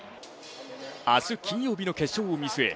明日金曜日の決勝を見据え